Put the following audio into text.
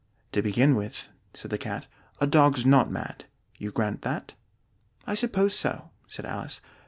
"To begin with," said the Cat, "a dog's not mad. You grant that?" "I suppose so," said Alice.